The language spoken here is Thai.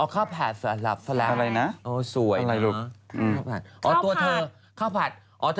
เข้าผัด